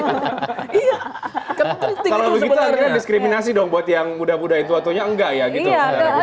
kalau begitu diskriminasi dong buat yang muda mudai tua tua nggak ya